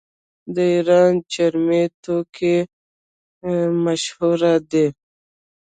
د ایران چرمي توکي مشهور دي.